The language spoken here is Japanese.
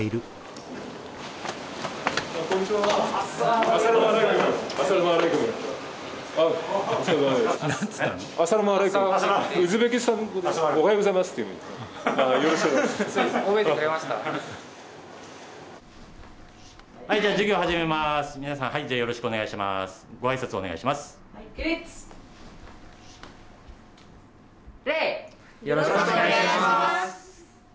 よろしくお願いします。